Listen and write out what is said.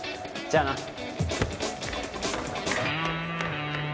じゃあな。